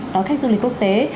đón khách du lịch quốc tế